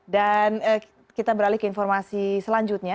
dan kita beralih ke informasi selanjutnya